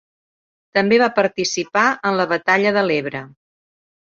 També va participar en la Batalla de l'Ebre.